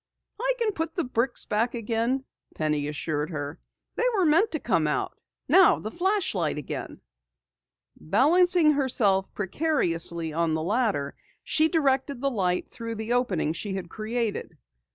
"I can put the bricks back again," Penny assured her. "They were meant to come out. Now, the flashlight again." Balancing herself precariously on the ladder, she directed the light through the opening she had created.